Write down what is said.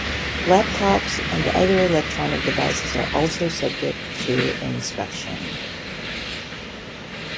Laptops and other electronic devices are also subject to inspection.